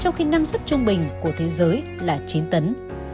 trong khi năng suất trung bình của thế giới là chín tấn